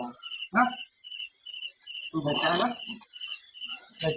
โอ้ยหลบหลบหลบหลบหลบ